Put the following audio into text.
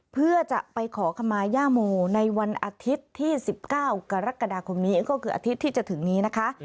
เพื่อจะไปขอขมาย่าโมในวันอาทิตย์ที่๑๙กรกฎาคมนี้ก็คืออาทิตย์ที่จะถึงนี้นะคะ